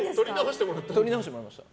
撮り直してもらいました。